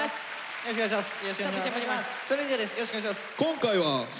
よろしくお願いします。